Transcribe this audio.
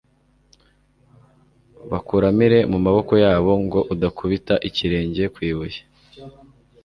bakuramire mu maboko yabo ngo udakubita ikirenge ku ibuye.» .